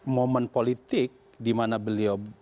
momen politik di mana beliau